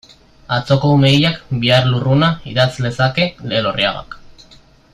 Atzoko ume hilak, bihar lurruna, idatz lezake Elorriagak.